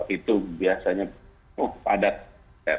itu biasanya padat